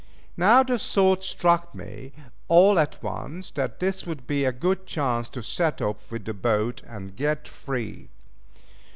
Now the thought struck me all at once that this would be a good chance to set off with the boat, and get free.